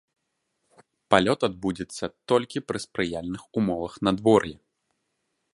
Палёт адбудзецца толькі пры спрыяльных умовах надвор'я.